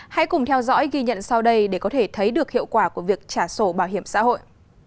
hãy cùng theo dõi ghi nhận sau đây để có thể thấy được hiệu quả của việc trả sổ bảo hiểm xã hội